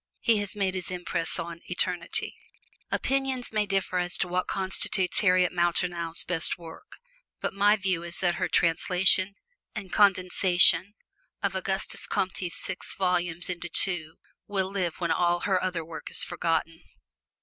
He has made his impress on eternity. Opinions may differ as to what constitutes Harriet Martineau's best work, but my view is that her translation and condensation of Auguste Comte's six volumes into two will live when all her other work is forgotten.